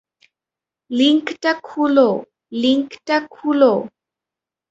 লিংকটা খুলো, লিংকটা খুলো।